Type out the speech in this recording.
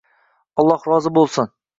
Alloh rozi bo‘lsin.